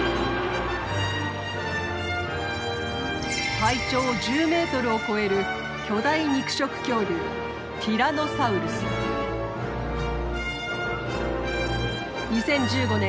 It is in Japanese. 体長１０ｍを超える巨大肉食恐竜２０１５年